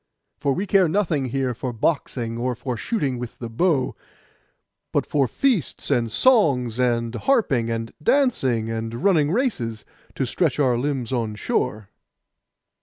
For we care nothing here for boxing, or for shooting with the bow; but for feasts, and songs, and harping, and dancing, and running races, to stretch our limbs on shore.